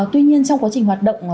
tuy nhiên trong quá trình hoạt động